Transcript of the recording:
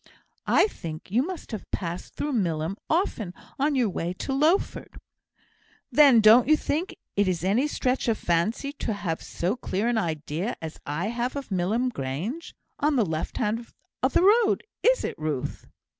I think you must have passed through Milham often on your way to Lowford." "Then you don't think it is any stretch of fancy to have so clear an idea as I have of Milham Grange? On the left hand of the road, is it, Ruth?"